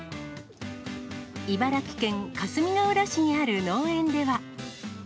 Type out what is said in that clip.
茨城県かすみがうら市にある農園では。